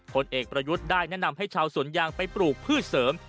ผลเอกประยุทธ์ได้แนะนำให้ชาวสวนยางไปปลูกพืชเสริม